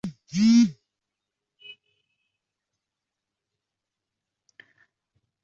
Milita en las filas de el Adelaide United de la A-League.